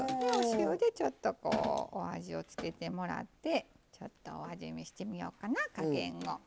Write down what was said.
お塩でちょっとこうお味を付けてもらってちょっとお味見してみようかな加減を。